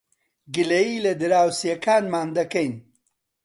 گلەیی لە دراوسێکانمان دەکەین.